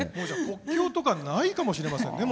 国境とかないかもしれませんね